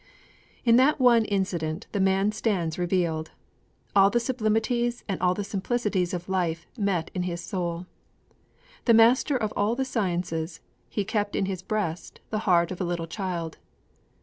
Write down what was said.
In that one incident the man stands revealed. All the sublimities and all the simplicities of life met in his soul. The master of all the sciences, he kept in his breast the heart of a little child.